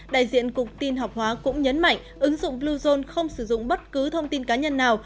đại diện cục tin học hóa cũng nhấn mạnh ứng dụng bluezone không sử dụng bất cứ thông tin cá nhân nào